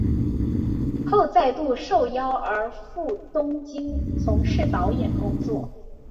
后再度受邀而再赴东京从事导演工作。